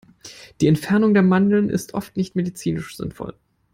Die Entfernung der Mandeln ist oft nicht medizinisch sinnvoll.